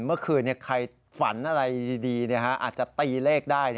เมื่อคืนใครฝันอะไรดีอาจจะตีเลขได้